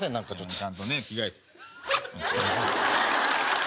ちゃんとね着替えて。